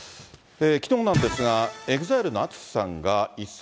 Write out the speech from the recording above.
きのうなんですが、ＥＸＩＬＥのＡＴＳＵＳＨＩさんが、一酸